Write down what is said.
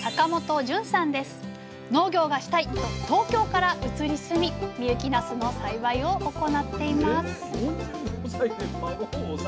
農業がしたいと東京から移り住み深雪なすの栽培を行っています